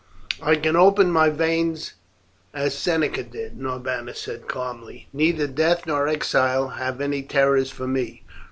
"I can open my veins as Seneca did," Norbanus said calmly; "neither death nor exile have any terrors for me.